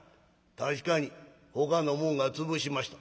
確かにほかの者が潰しました」。